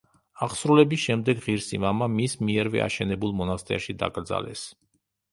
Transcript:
აღსრულების შემდეგ ღირსი მამა მის მიერვე აშენებულ მონასტერში დაკრძალეს.